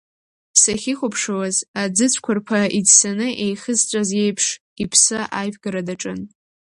Сахьихәаԥшуаз аӡы цәқәырԥа иӡсаны еихызҵәаз еиԥш иԥсы аивгара даҿын.